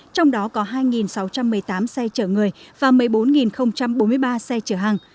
trong đó có hai sáu trăm một mươi tám xe chở người và một mươi bốn bốn mươi ba xe chở hàng